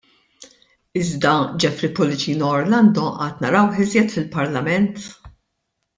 Iżda Jeffrey Pullicino Orlando għad narawh iżjed fil-parlament?